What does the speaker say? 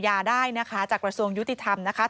โปรดติดตามต่างกรรมโปรดติดตามต่างกรรม